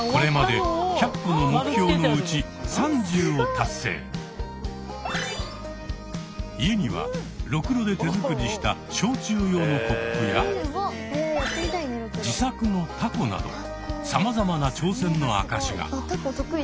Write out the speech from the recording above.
これまで家にはろくろで手作りした焼酎用のコップや自作のたこなどさまざまな挑戦の証しが。